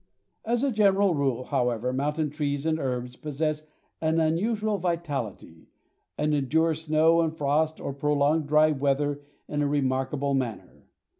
As a general rule, however, mountain trees and herbs possess an unusual vitality, and endure snow and frost or prolonged dry weather in a remarkable manner.